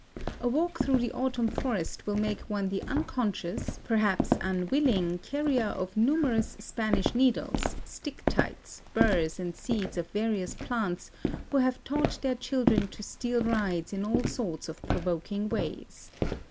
A walk through the autumn forests will make one the unconscious, perhaps unwilling, carrier of numerous Spanish needles, stick tights, burrs and seeds of various plants who have taught their children to steal rides in all sorts of provoking ways.